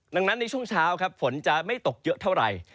ดังนั้นในช่วงเช้าครับฝนจะไม่ตกเยอะเท่าไหร่